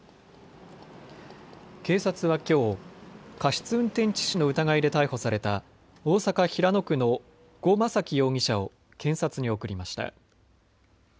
警察はきょう、過失運転致死の疑いで逮捕された大阪平野区の呉昌樹容疑者を検察に送りました。